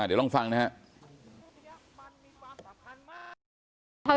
อ่ะเดี๋ยวลองฟังนะฮะ